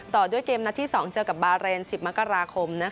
ต่อด้วยเกมนัดที่๒เจอกับบาเรน๑๐มกราคม